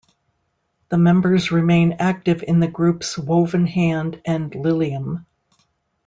The members remain active in the groups Woven Hand and Lilium.